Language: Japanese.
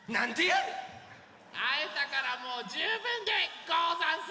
あえたからもうじゅうぶんでござんす！